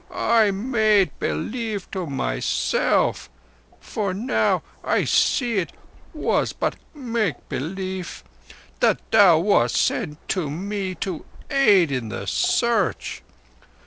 I made believe to myself for now I see it was but make belief—that thou wast sent to me to aid in the Search.